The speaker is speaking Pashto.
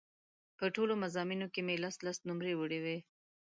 په ټولو مضامینو کې مې لس لس نومرې وړې وې.